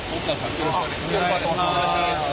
よろしくお願いします。